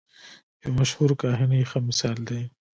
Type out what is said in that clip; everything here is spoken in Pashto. یو مشهور کاهن یې ښه مثال دی.